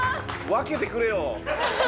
分けてくれよ。